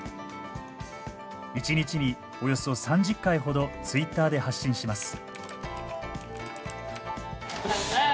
一日におよそ３０回ほどツイッターで発信します。